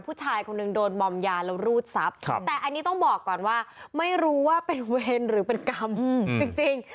ผู้ชายคนหนึ่งโดนมอมยาแล้วรูดทรัพย์แต่อันนี้ต้องบอกก่อนว่าไม่รู้ว่าเป็นเวรหรือเป็นกรรมจริง